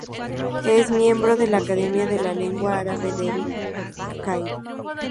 Es miembro de la Academia de la Lengua Árabe de El Cairo.